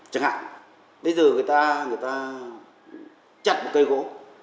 chẳng hạn bây giờ người ta chặt một cây gỗ